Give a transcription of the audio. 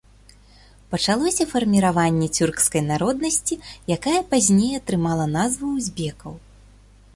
Пачалося фарміраванне цюркскай народнасці, якая пазней атрымала назву узбекаў.